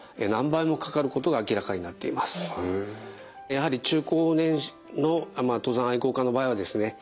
やはり中高年の登山愛好家の場合はですね